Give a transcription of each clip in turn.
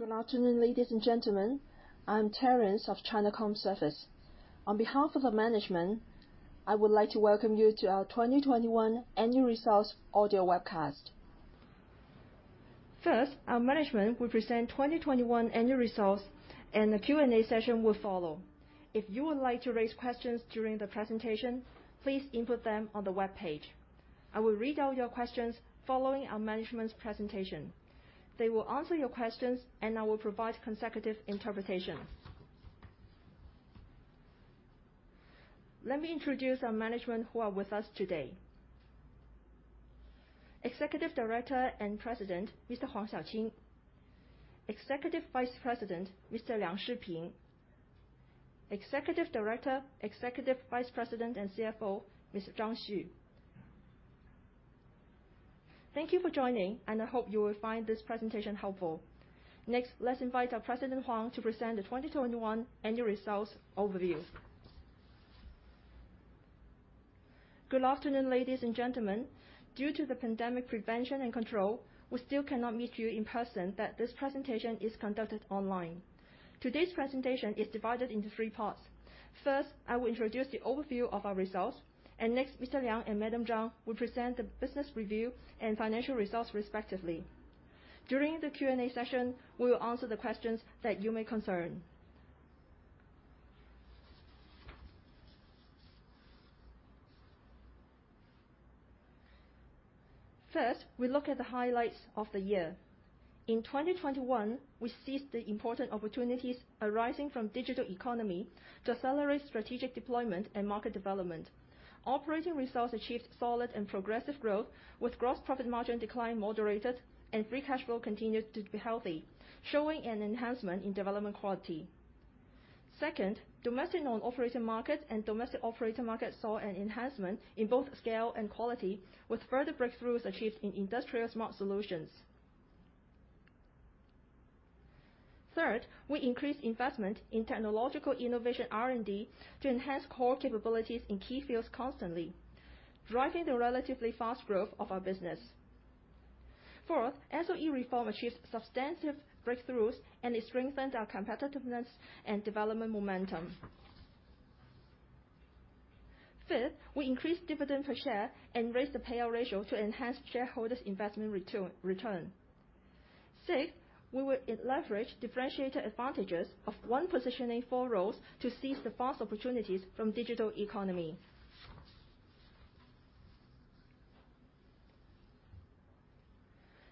Good afternoon, ladies and gentlemen. I'm Terrence of China Comservice. On behalf of our management, I would like to welcome you to our 2021 Annual Results Audio Webcast. First, our management will present 2021 annual results, and the Q&A session will follow. If you would like to raise questions during the presentation, please input them on the webpage. I will read out your questions following our management's presentation. They will answer your questions, and I will provide consecutive interpretation. Let me introduce our management who are with us today. Executive Director and President, Mr. Huang Xiaoqing. Executive Vice President, Mr. Liang Shiping. Executive Director, Executive Vice President, and CFO, Ms. Zhang Xu. Thank you for joining, and I hope you will find this presentation helpful. Next, let's invite our President Huang to present the 2021 annual results overview. Good afternoon, ladies and gentlemen. Due to the pandemic prevention and control, we still cannot meet you in person, but this presentation is conducted online. Today's presentation is divided into three parts. First, I will introduce the overview of our results, and next, Mr. Liang and Madam Zhang will present the business review and financial results respectively. During the Q&A session, we will answer the questions that may concern you. First, we look at the highlights of the year. In 2021, we seized the important opportunities arising from digital economy to accelerate strategic deployment and market development. Operating results achieved solid and progressive growth with gross profit margin decline moderated and free cash flow continued to be healthy, showing an enhancement in development quality. Second, domestic non-operating market and domestic operator market saw an enhancement in both scale and quality with further breakthroughs achieved in industrial smart solutions. Third, we increased investment in technological innovation R&D to enhance core capabilities in key fields constantly, driving the relatively fast growth of our business. Fourth, SOE reform achieved substantive breakthroughs, and it strengthened our competitiveness and development momentum. Fifth, we increased dividend per share and raised the payout ratio to enhance shareholders' investment return. Six, we will leverage differentiated advantages of one positioning, four roles to seize the fast opportunities from digital economy.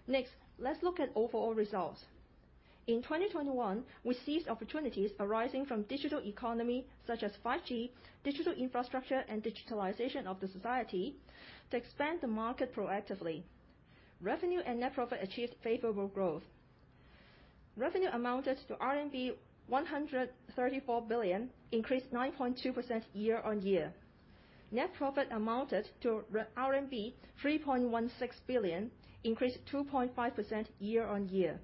Next, let's look at overall results. In 2021, we seized opportunities arising from digital economy, such as 5G, digital infrastructure, and digitalization of the society to expand the market proactively. Revenue and net profit achieved favorable growth. Revenue amounted to RMB 134 billion, increased 9.2% year-on-year. Net profit amounted to RMB 3.16 billion, increased 2.5% year-on-year.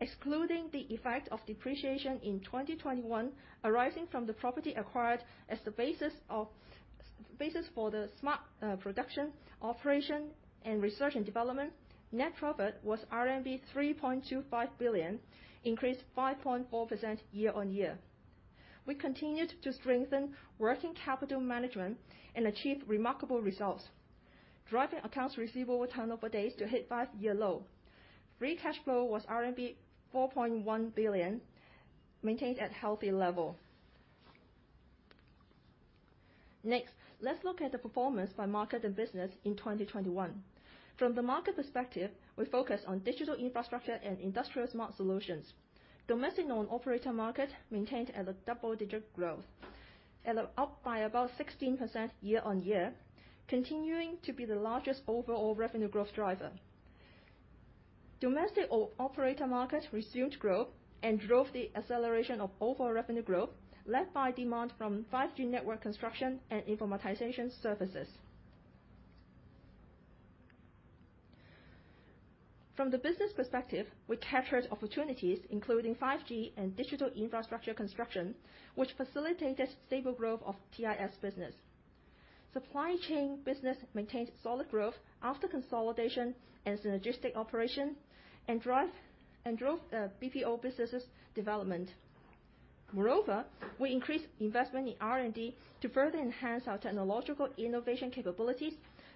Excluding the effect of depreciation in 2021 arising from the property acquired as the basis for the smart production, operation, and research and development, net profit was RMB 3.25 billion, increased 5.4% year-on-year. We continued to strengthen working capital management and achieve remarkable results, driving accounts receivable turnover days to hit five-year low. Free cash flow was RMB 4.1 billion, maintained at healthy level. Next, let's look at the performance by market and business in 2021. From the market perspective, we focus on digital infrastructure and industrial smart solutions. Domestic non-operator market maintained double-digit growth, up by about 16% year-on-year, continuing to be the largest overall revenue growth driver. Domestic operator market resumed growth and drove the acceleration of overall revenue growth, led by demand from 5G network construction and informatization services. From the business perspective, we captured opportunities, including 5G and digital infrastructure construction, which facilitated stable growth of TIS business. Supply chain business maintained solid growth after consolidation and synergistic operation and drove BPO businesses' development. Moreover, we increased investment in R&D to further enhance our technological innovation capabilities,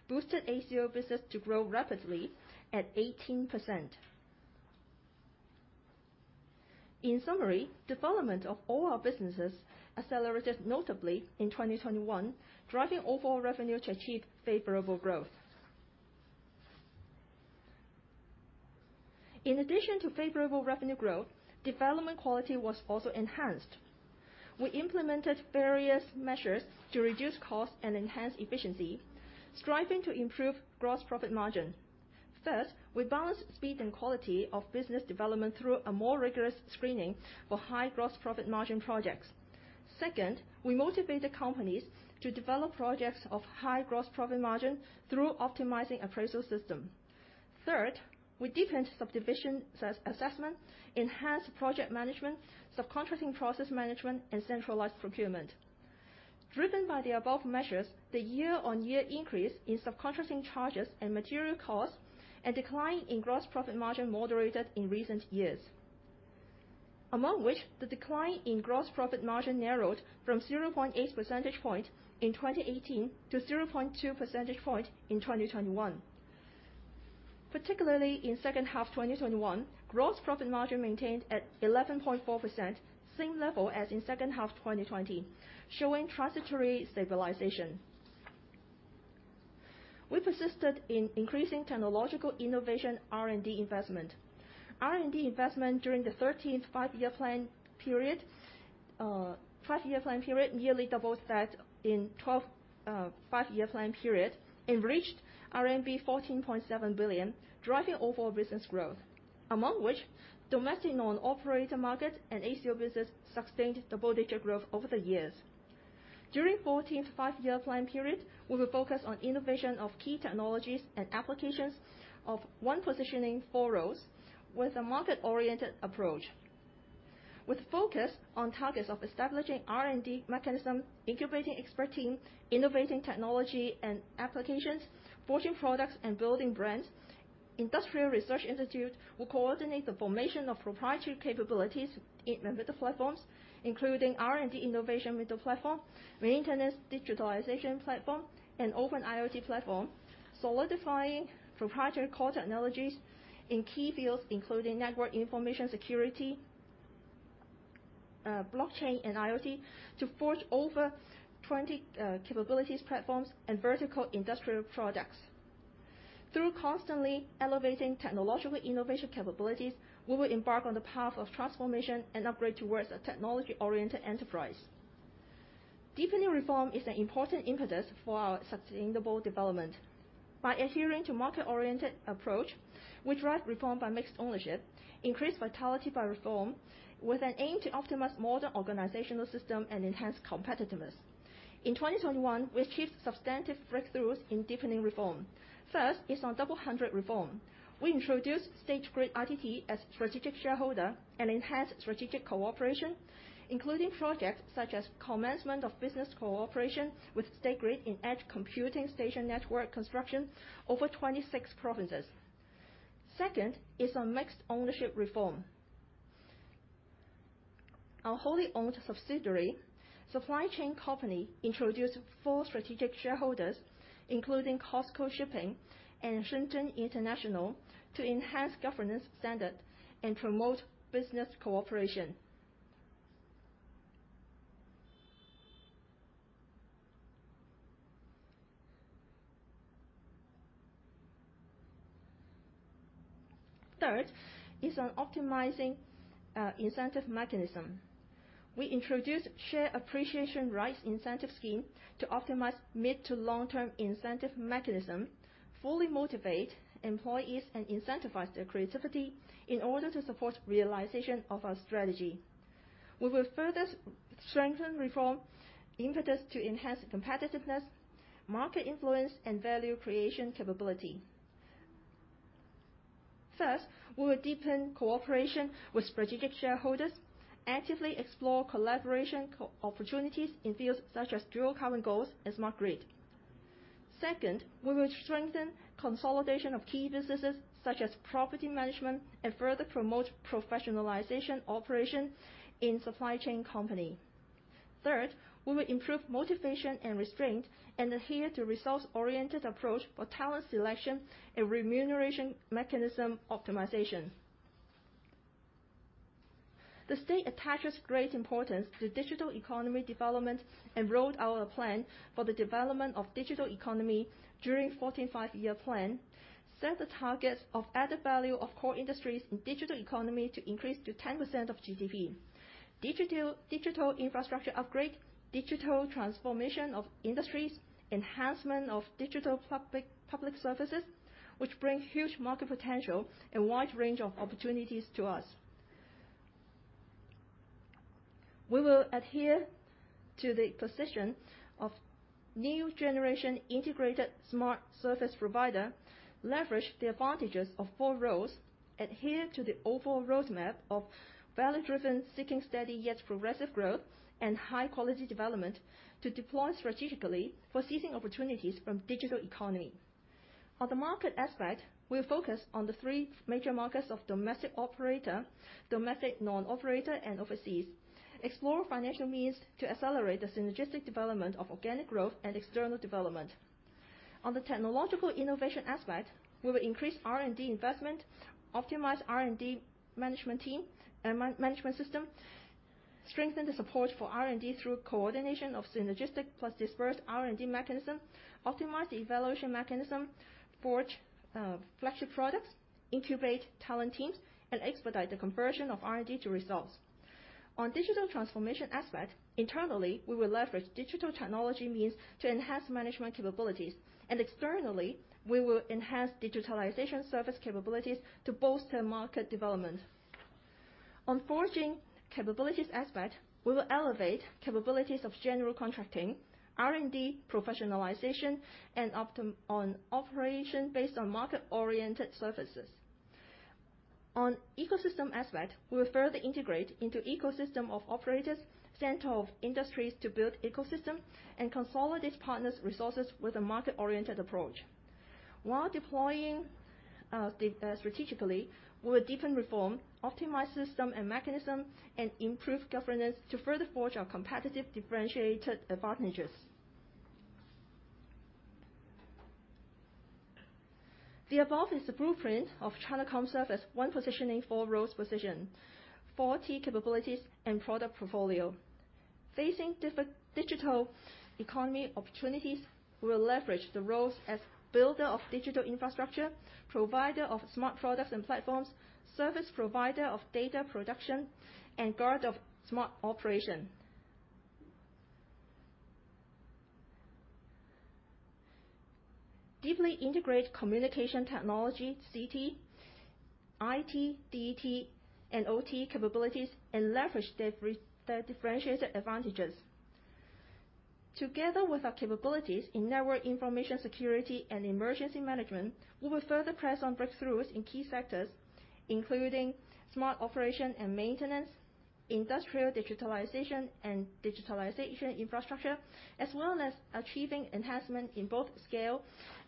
boosted ACO business to grow rapidly at 18%. In summary, development of all our businesses accelerated notably in 2021, driving overall revenue to achieve favorable growth. In addition to favorable revenue growth, development quality was also enhanced. We implemented various measures to reduce cost and enhance efficiency, striving to improve gross profit margin. First, we balanced speed and quality of business development through a more rigorous screening for high-gross-profit-margin projects. Second, we motivated companies to develop projects of high gross profit margin through optimizing appraisal system. Third, we deepened subdivision as assessment, enhanced project management, subcontracting process management, and centralized procurement. Driven by the above measures, the year-on-year increase in subcontracting charges and material costs, and decline in gross profit margin moderated in recent years. Among which, the decline in gross profit margin narrowed from 0.8 percentage point in 2018 to 0.2 percentage point in 2021. Particularly in second half 2021, gross profit margin maintained at 11.4%, same level as in second half 2020, showing transitory stabilization. We persisted in increasing technological innovation R&D investment. R&D investment during the 13th Five-Year Plan period nearly doubled that in the 12th Five-Year Plan period and reached RMB 14.7 billion, driving overall business growth. Among which, domestic non-operator market and ACO business sustained double-digit growth over the years. During 14th Five-Year Plan period, we will focus on innovation of key technologies and applications of one positioning, four roles, with a market-oriented approach. With focus on targets of establishing R&D mechanism, incubating expert team, innovating technology and applications, forging products and building brands. Industrial research institute will coordinate the formation of proprietary capabilities in middle platforms, including R&D innovation middle platform, maintenance digitalization platform, and open IoT platform. Solidifying proprietary core technologies in key fields, including network information security, blockchain and IoT, to forge over 20 capabilities platforms and vertical industrial products. Through constantly elevating technological innovation capabilities, we will embark on the path of transformation and upgrade towards a technology-oriented enterprise. Deepening reform is an important impetus for our sustainable development. By adhering to market-oriented approach, we drive reform by mixed ownership, increase vitality by reform, with an aim to optimize modern organizational system and enhance competitiveness. In 2021, we achieved substantive breakthroughs in deepening reform. First is on Double-hundred Refrorm. We introduced State Grid ITT as strategic shareholder and enhanced strategic cooperation, including projects such as commencement of business cooperation with State Grid in edge computing station network construction over 26 provinces. Second is on mixed ownership reform. Our wholly owned subsidiary, supply chain company, introduced four strategic shareholders, including COSCO Shipping and Shenzhen International, to enhance governance standard and promote business cooperation. Third is on optimizing incentive mechanism. We introduced share appreciation rights incentive scheme to optimize mid-to-long-term incentive mechanism, fully motivate employees, and incentivize their creativity in order to support realization of our strategy. We will further strengthen reform impetus to enhance competitiveness, market influence, and value creation capability. First, we will deepen cooperation with strategic shareholders, actively explore collaboration opportunities in fields such as dual carbon goals and smart grid. Second, we will strengthen consolidation of key businesses such as property management and further promote professionalization operation in supply chain company. Third, we will improve motivation and restraint and adhere to results-oriented approach for talent selection and remuneration mechanism optimization. The state attaches great importance to digital economy development and rolled out a plan for the development of digital economy during 14th Five-Year Plan. Set the targets of added value of core industries in digital economy to increase to 10% of GDP. Digital infrastructure upgrade, digital transformation of industries, enhancement of digital public services, which bring huge market potential and wide range of opportunities to us. We will adhere to the position of new generation integrated smart service provider, leverage the advantages of four roles, adhere to the overall roadmap of value-driven, seeking steady yet progressive growth and high-quality development to deploy strategically for seizing opportunities from digital economy. On the market aspect, we focus on the three major markets of domestic operator, domestic non-operator, and overseas, explore financial means to accelerate the synergistic development of organic growth and external development. On the technological innovation aspect, we will increase R&D investment, optimize R&D management team and manpower-management system, strengthen the support for R&D through coordination of synergistic plus dispersed R&D mechanism, optimize the evaluation mechanism, forge flagship products, incubate talent teams, and expedite the conversion of R&D to results. On digital transformation aspect, internally, we will leverage digital technology means to enhance management capabilities, and externally, we will enhance digitalization service capabilities to bolster market development. On forging capabilities aspect, we will elevate capabilities of general contracting, R&D professionalization, and on operation based on market-oriented services. On ecosystem aspect, we will further integrate into ecosystem of operators, center of industries to build ecosystem, and consolidate partners' resources with a market-oriented approach. While deploying strategically, we will deepen reform, optimize system and mechanism, and improve governance to further forge our competitive differentiated advantages. The above is the blueprint of China Comservice 1 Positioning, 4 Roles position, 40 capabilities and product portfolio. Facing digital economy opportunities, we will leverage the roles as builder of digital infrastructure, provider of smart products and platforms, service provider of data production, and guard of smart operation. Deeply integrate communication technology, CT, IT, DT, and OT capabilities, and leverage their differentiated advantages. Together with our capabilities in network information security and emergency management, we will further press on breakthroughs in key sectors, including smart operation and maintenance, industrial digitalization and digitalization infrastructure, as well as achieving enhancement in both scale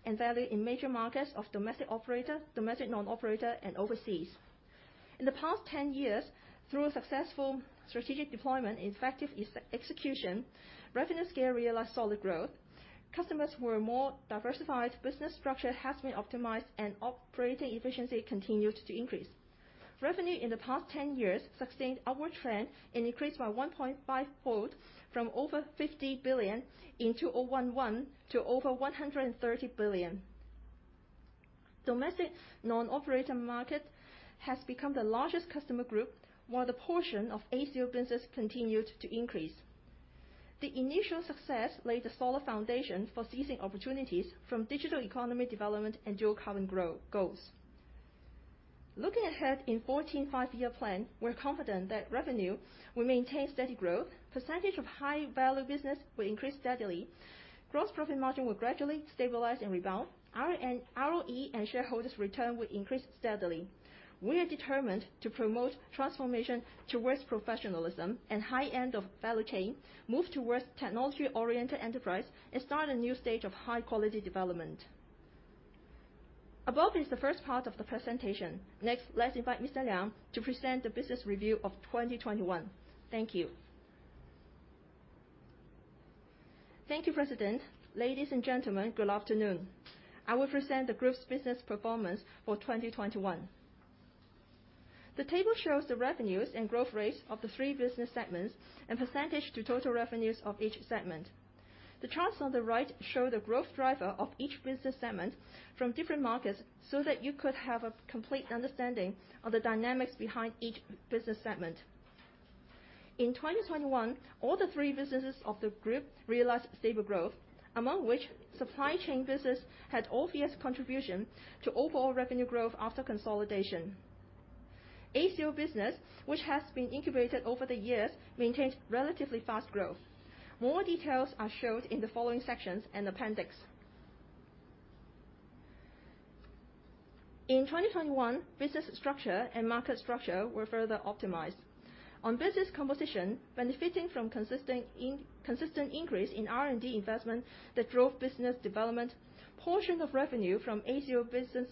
and value in major markets of domestic operator, domestic non-operator, and overseas. In the past 10 years, through a successful strategic deployment, effective execution, revenue scale realized solid growth. Customers were more diversified, business structure has been optimized, and operating efficiency continued to increase. Revenue in the past 10 years sustained upward trend and increased by 1.5-fold from over 50 billion in 2011 to over 130 billion. Domestic non-operator market has become the largest customer group, while the portion of ACO business continued to increase. The initial success laid a solid foundation for seizing opportunities from digital economy development and dual carbon goals. Looking ahead in 14th Five-Year Plan, we're confident that revenue will maintain steady growth, percentage of high-value business will increase steadily, gross profit margin will gradually stabilize and rebound, ROE and shareholders' return will increase steadily. We are determined to promote transformation towards professionalism and high end of value chain, move towards technology-oriented enterprise, and start a new stage of high-quality development. Above is the first part of the presentation. Next, let's invite Mr. Liang to present the business review of 2021. Thank you. Thank you, President. Ladies and gentlemen, good afternoon. I will present the group's business performance for 2021. The table shows the revenues and growth rates of the three business segments and percentage to total revenues of each segment. The charts on the right show the growth driver of each business segment from different markets, so that you could have a complete understanding of the dynamics behind each business segment. In 2021, all three businesses of the group realized stable growth, among which supply chain business had obvious contribution to overall revenue growth after consolidation. ACO business, which has been incubated over the years, maintained relatively fast growth. More details are showed in the following sections and appendix. In 2021, business structure and market structure were further optimized. On business composition, benefiting from consistent inconsistent increase in R&D investment that drove business development, portion of revenue from ACO business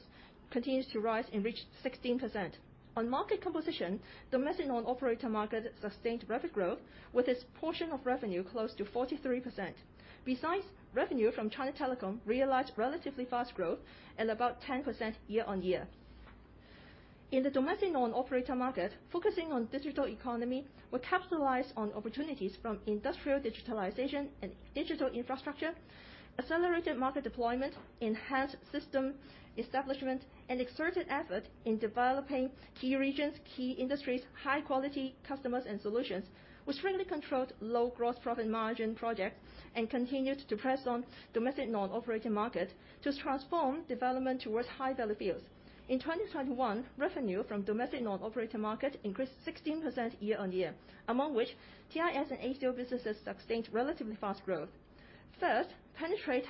continues to rise and reached 16%. On market composition, domestic non-operator market sustained rapid growth with its portion of revenue close to 43%. Besides, revenue from China Telecom realized relatively fast growth at about 10% year-on-year. In the domestic non-operator market, focusing on digital economy, we capitalized on opportunities from industrial digitalization and digital infrastructure, accelerated market deployment, enhanced system establishment, and exerted effort in developing key regions, key industries, high-quality customers and solutions. We strictly controlled low gross profit margin projects, and continued to press on domestic non-operating market to transform development towards high value fields. In 2021, revenue from domestic non-operator market increased 16% year on year. Among which, TIS and ACO businesses sustained relatively fast growth. First, penetrate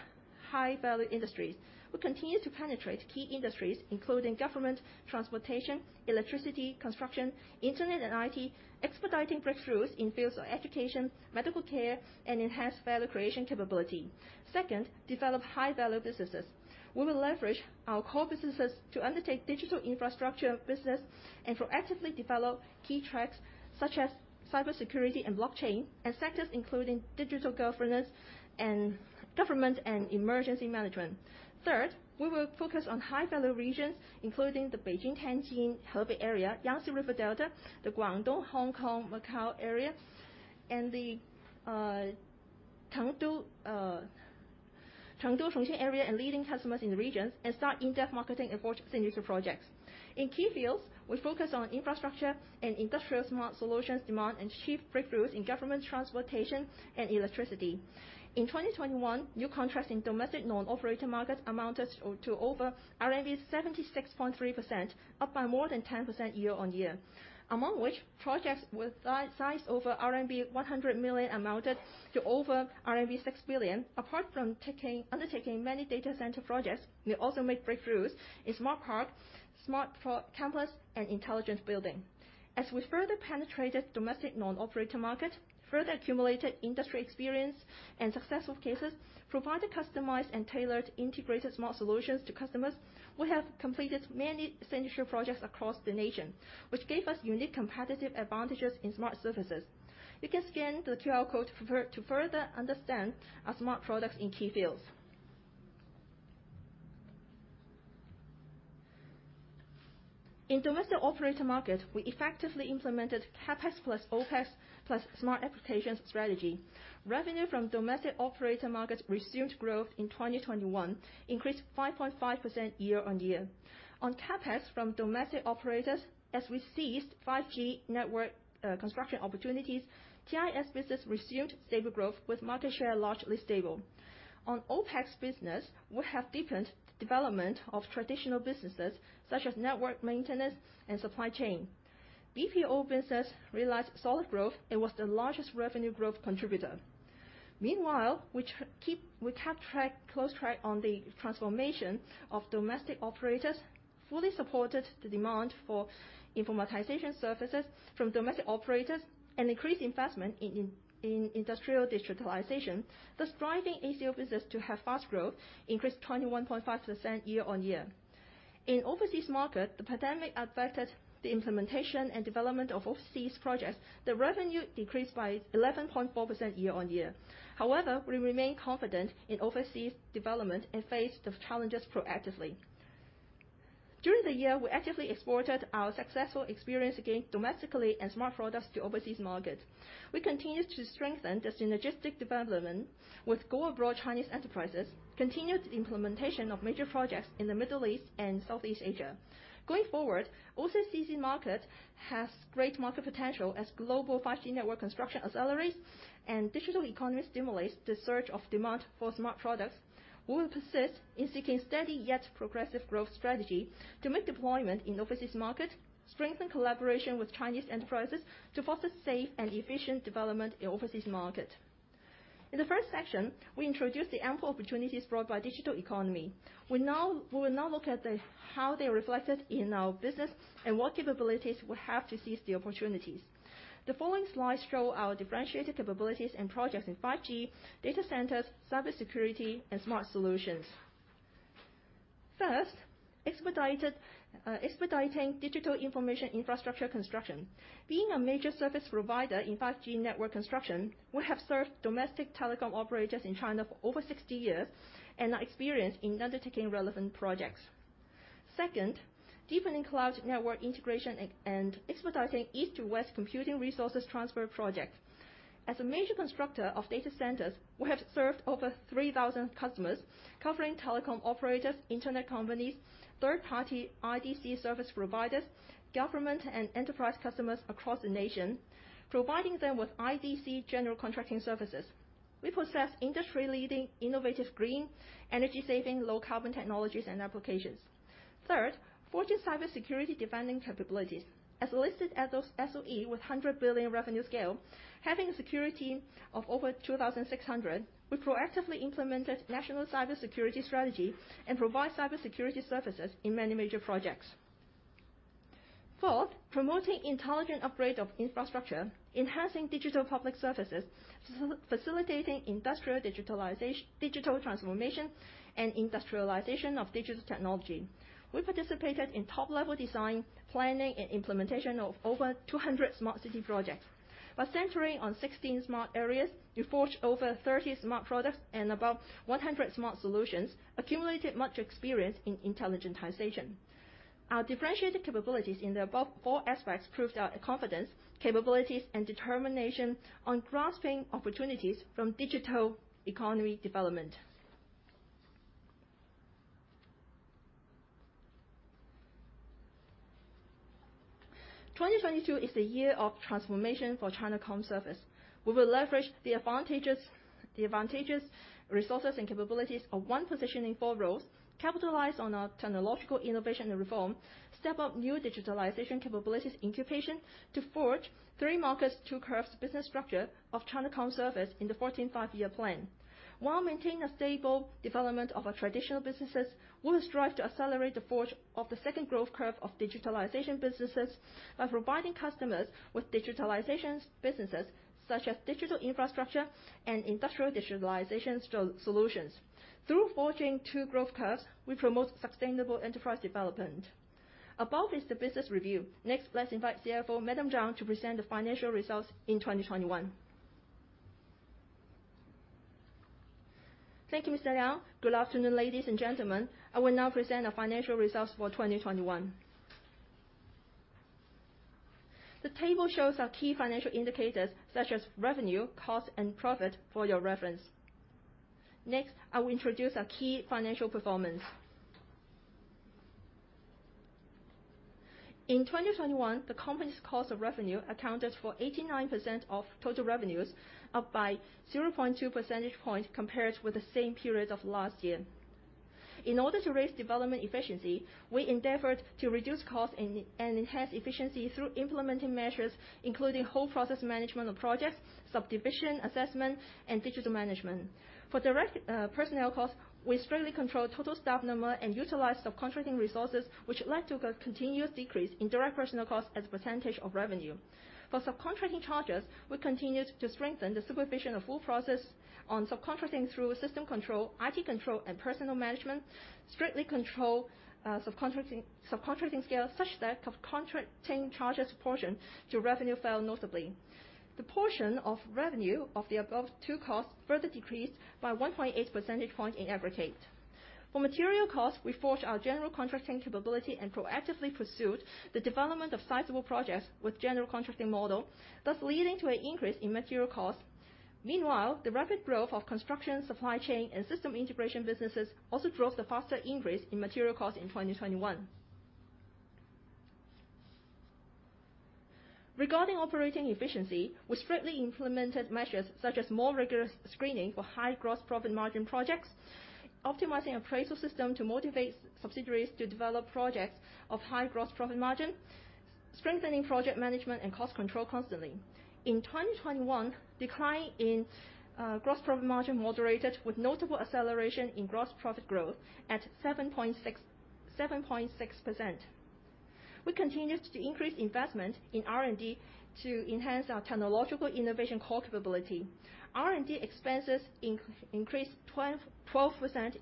high-value industries. We continue to penetrate key industries including government, transportation, electricity, construction, internet and IT, expediting breakthroughs in fields of education, medical care, and enhanced value creation capability. Second, develop high-value businesses. We will leverage our core businesses to undertake digital infrastructure business and proactively develop key tracks such as cybersecurity and blockchain, and sectors including digital governance and government and emergency management. Third, we will focus on high-value regions including the Beijing-Tianjin-Hebei Area, Yangtze River Delta, the Guangdong-Hong Kong-Macau Area, and the Chengdu-Chongqing Area, and leading customers in the regions and start in-depth marketing and focus signature projects. In key fields, we focus on infrastructure and industrial smart solutions demand, and achieve breakthroughs in government, transportation, and electricity. In 2021, new contracts in domestic non-operator markets amounted to over 76.3%, up by more than 10% year-on-year. Among which, projects with single size over RMB 100 million amounted to over RMB 6 billion. Apart from undertaking many data center projects, we also made breakthroughs in smart parks, smart campus, and intelligent building. As we further penetrated domestic non-operator market, further accumulated industry experience and successful cases, provided customized and tailored integrated smart solutions to customers. We have completed many signature projects across the nation, which gave us unique competitive advantages in smart services. You can scan the QR code to further understand our smart products in key fields. In domestic operator market, we effectively implemented CapEx plus OpEx plus smart application strategy. Revenue from domestic operator market resumed growth in 2021, increased 5.5% year-on-year. On CapEx from domestic operators, as we seized 5G network construction opportunities, GIS business resumed stable growth with market share largely stable. On OpEx business, we have deepened development of traditional businesses such as network maintenance and supply chain. BPO business realized solid growth and was the largest revenue growth contributor. Meanwhile, we kept close track on the transformation of domestic operators, fully supported the demand for informatization services from domestic operators, and increased investment in industrial digitalization, thus driving ACO business to have fast growth, increased 21.5% year-on-year. In overseas market, the pandemic affected the implementation and development of overseas projects. The revenue decreased by 11.4% year-on-year. However, we remain confident in overseas development and face the challenges proactively. During the year, we actively exported our successful experience gained domestically and smart products to overseas markets. We continued to strengthen the synergistic development with go-abroad Chinese enterprises, continued the implementation of major projects in the Middle East and Southeast Asia. Going forward, overseas CCS market has great market potential as global 5G network construction accelerates and digital economy stimulates the surge of demand for smart products. We will persist in seeking steady yet progressive growth strategy to make deployment in overseas market, strengthen collaboration with Chinese enterprises to foster safe and efficient development in overseas market. In the first section, we introduced the ample opportunities brought by digital economy. We will now look at how they are reflected in our business and what capabilities we have to seize the opportunities. The following slides show our differentiated capabilities and projects in 5G, data centers, cybersecurity, and smart solutions. First, expediting digital information infrastructure construction. Being a major service provider in 5G network construction, we have served domestic telecom operators in China for over 60 years and are experienced in undertaking relevant projects. Second, deepening cloud network integration and expediting East-To-West Computing Resource Transfer project. As a major constructor of data centers, we have served over 3,000 customers, covering telecom operators, internet companies, third-party IDC service providers, government and enterprise customers across the nation, providing them with IDC general contracting services. We possess industry-leading innovative green, energy-saving, low-carbon technologies and applications. Third, forging cybersecurity defense capabilities. As a listed SOE with 100 billion revenue scale, having a security team of over 2,600, we proactively implemented national cybersecurity strategy and provide cybersecurity services in many major projects. Fourth, promoting intelligent upgrade of infrastructure, enhancing digital public services, facilitating industrial digital transformation, and industrialization of digital technology. We participated in top-level design, planning, and implementation of over 200 smart city projects. By centering on 16 smart areas, we forged over 30 smart products and above 100 smart solutions, accumulated much experience in intelligentization. Our differentiated capabilities in the above four aspects proves our confidence, capabilities, and determination on grasping opportunities from digital economy development. 2022 is the year of transformation for China Comservice. We will leverage the advantages, resources, and capabilities of one positioning, four roles, capitalize on our technological innovation and reform, step up new digitalization capabilities incubation to forge three markets, two curves business structure of China Comservice in the 14th Five-Year Plan. While maintaining a stable development of our traditional businesses, we will strive to accelerate the forge of the second growth curve of digitalization businesses by providing customers with digitalization businesses such as digital infrastructure and industrial digitalization solutions. Through forging two growth curves, we promote sustainable enterprise development. Above is the business review. Next, let's invite CFO, Madam Zhang Xu, to present the financial results in 2021. Thank you, Mr. Liang Shiping. Good afternoon, ladies and gentlemen. I will now present our financial results for 2021. The table shows our key financial indicators such as revenue, cost, and profit for your reference. Next, I will introduce our key financial performance. In 2021, the company's cost of revenue accounted for 89% of total revenues, up by 0.2 percentage point compared with the same period of last year. In order to raise development efficiency, we endeavored to reduce costs and enhance efficiency through implementing measures, including whole process management of projects, subdivision assessment, and digital management. For direct personnel costs, we strictly control total staff number and utilize subcontracting resources, which led to a continuous decrease in direct personnel costs as a percentage of revenue. For subcontracting charges, we continued to strengthen the supervision of whole process on subcontracting through system control, IT control, and personnel management. We strictly control subcontracting scale such that subcontracting charges portion to revenue fell notably. The portion of revenue of the above two costs further decreased by 1.8 percentage point in aggregate. For material costs, we forged our general contracting capability and proactively pursued the development of sizable projects with general contracting model, thus leading to an increase in material costs. Meanwhile, the rapid growth of construction, supply chain, and system integration businesses also drove the faster increase in material costs in 2021. Regarding operating efficiency, we strictly implemented measures such as more rigorous screening for high gross profit margin projects, optimizing appraisal system to motivate subsidiaries to develop projects of high gross profit margin, strengthening project management and cost control constantly. In 2021, decline in gross profit margin moderated with notable acceleration in gross profit growth at 7.6%. We continued to increase investment in R&D to enhance our technological innovation core capability. R&D expenses increased 12%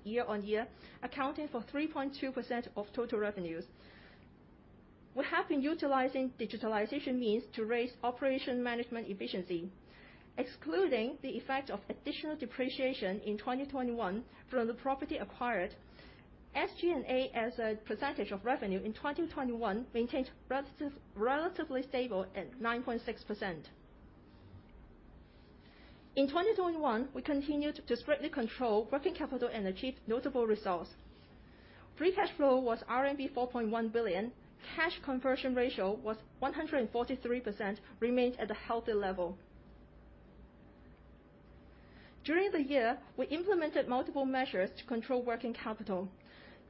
year-on-year, accounting for 3.2% of total revenues. We have been utilizing digitalization means to raise operation management efficiency. Excluding the effect of additional depreciation in 2021 from the property acquired, SG&A, as a percentage of revenue in 2021, maintained relatively stable at 9.6%. In 2021, we continued to strictly control working capital and achieved notable results. Free cash flow was RMB 4.1 billion. Cash conversion ratio was 143%, remained at a healthy level. During the year, we implemented multiple measures to control working capital.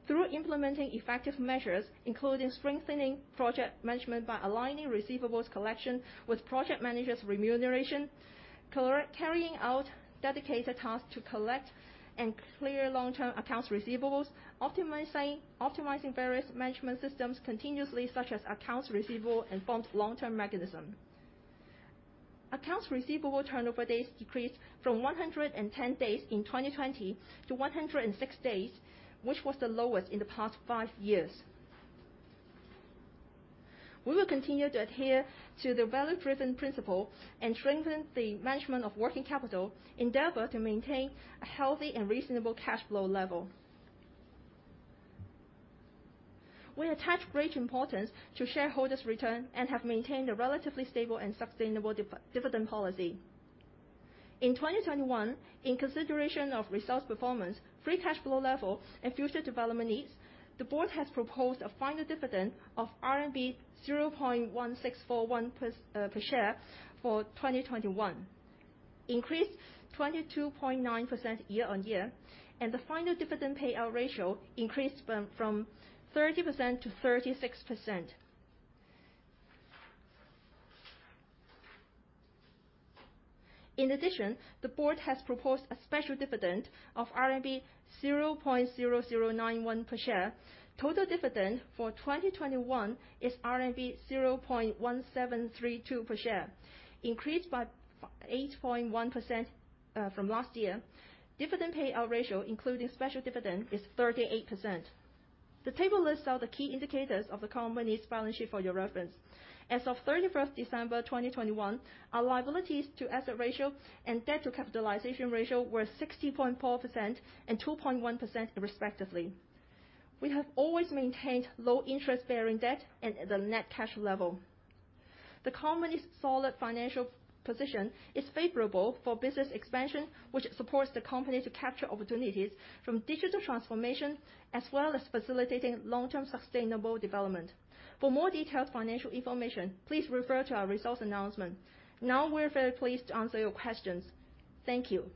Through implementing effective measures, including strengthening project management by aligning receivables collection with project managers' remuneration, carrying out dedicated tasks to collect and clear long-term accounts receivables, optimizing various management systems continuously, such as accounts receivable and fund long-term mechanism. Accounts receivable turnover days decreased from 110 days in 2020 to 106 days, which was the lowest in the past five years. We will continue to adhere to the value-driven principle and strengthen the management of working capital, endeavor to maintain a healthy and reasonable cash flow level. We attach great importance to shareholders' return and have maintained a relatively stable and sustainable dividend policy. In 2021, in consideration of results performance, free cash flow level, and future development needs, the Board has proposed a final dividend of RMB 0.1641 per share for 2021, increased 22.9% year-on-year, and the final dividend payout ratio increased from 30% to 36%. In addition, the Board has proposed a special dividend of RMB 0.0091 per share. Total dividend for 2021 is RMB 0.1732 per share, increased by 8.1% from last year. Dividend payout ratio including special dividend is 38%. The table lists out the key indicators of the company's balance sheet for your reference. As of December 31, 2021, our liabilities to asset ratio and debt to capitalization ratio were 60.4% and 2.1% respectively. We have always maintained low-interest-bearing debt at the net cash level. The company's solid financial position is favorable for business expansion, which supports the company to capture opportunities from digital transformation, as well as facilitating long-term sustainable development. For more detailed financial information, please refer to our results announcement. Now we're very pleased to answer your questions. Thank you.